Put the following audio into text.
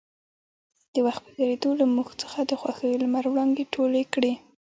د وخـت پـه تېـرېدو لـه مـوږ څـخـه د خـوښـيو لمـر وړانـګې تـولې کـړې.